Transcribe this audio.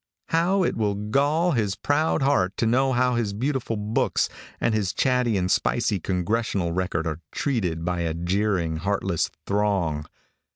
How it will gall his proud heart to know how his beautiful books, and his chatty and spicy Congressional Record are treated by a jeering, heartless throng!